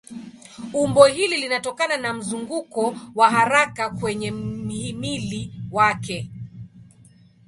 Umbo hili linatokana na mzunguko wa haraka kwenye mhimili wake.